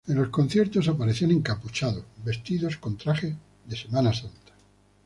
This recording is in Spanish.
En los conciertos aparecían encapuchados vestidos con trajes de Semana Santa.